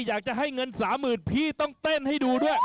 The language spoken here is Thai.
อยากจะให้เงิน๓๐๐๐พี่ต้องเต้นให้ดูด้วย